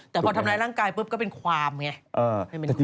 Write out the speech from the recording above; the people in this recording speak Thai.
แต่พอทำร้ายร่างกายปุ๊บก็เป็นความไง